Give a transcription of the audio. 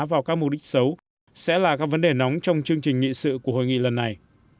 vào các mục đích xấu sẽ là các vấn đề nóng trong chương trình nghị sự của hội nghị lần này